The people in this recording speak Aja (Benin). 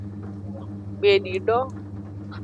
Gbedido.